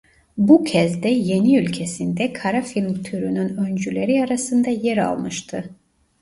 Bu kez de yeni ülkesinde "kara film" türünün öncüleri arasında yer almıştı.